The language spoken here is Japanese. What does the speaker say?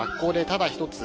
ただ１つ